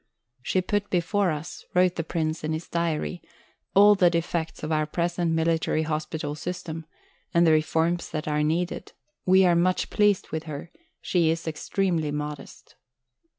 "She put before us," wrote the Prince in his diary, "all the defects of our present military hospital system, and the reforms that are needed. We are much pleased with her; she is extremely modest."